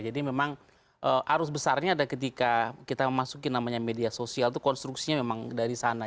memang arus besarnya ada ketika kita memasuki namanya media sosial itu konstruksinya memang dari sana